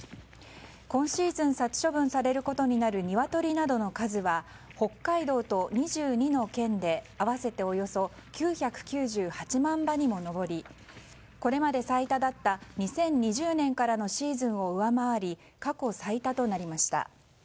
今シーズン殺処分されることになるニワトリなどの数は北海道と２２の県で合わせておよそ９９８万羽にも上りこれまで最多だった２０２０年からのシーズンを上回り過去最多となりました。